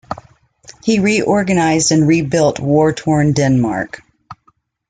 He reorganized and rebuilt war-torn Denmark.